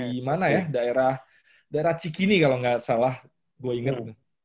di mana ya daerah cikini kalau nggak salah gue inget